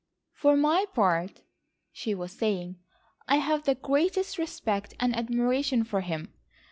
"For my part," she was saying, "I have the greatest respect and admiration for him.